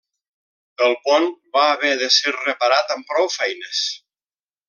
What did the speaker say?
El pont va haver de ser reparat amb prou feines.